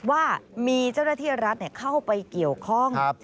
ว่ามีเจ้าหน้าที่รัฐเข้าไปเกี่ยวข้อง